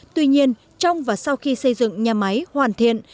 tuy nhiên trong và sau khi xây dựng nhà máy hoàn thiện